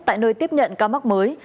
tại nơi tiếp nhận ca mắc mới